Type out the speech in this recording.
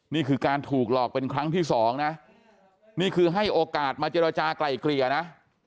นี่คือการถูกหลอกเป็นครั้งที่สองนะนี่คือให้โอกาสมาเจรจากลายเกลี่ยนะ